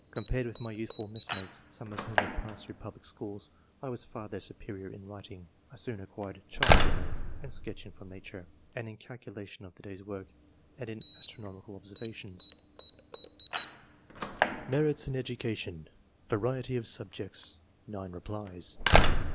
Compared with my youthful messmates, some of whom had passed through public schools, I was far their superior in writing (I soon acquired chart drawing and sketching from nature), and in calculation of the day's work, and in astronomical observa^ tions.'' R 242 ENGLISH MEN OF SCIENCE. [chap. MERITS IN EDUCATION : VAKIETY OP SUBJECTS — ^NINB REPLIES.